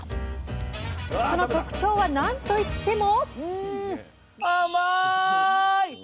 その特徴は何と言っても。